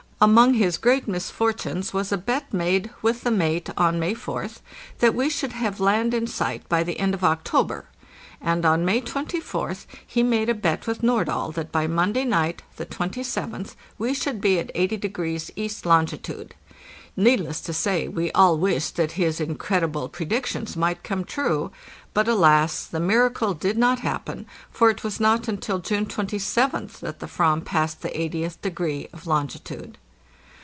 Among his great misfortunes was a bet made with the mate on May 4th that we should have land in sight by the end of October. And on May 24th he made a bet with Nordahl that by Monday night (the 27th) we should be at 80° east longitude. Needless to say we all wished that his incredible predictions might come true; but alas! the miracle did not happen, for it was not until June 27th that the /vamw passed the 8oth degree of longitude.